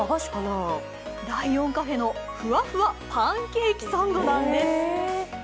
ライオンカフェのふわふわパンケーキサンドなんです。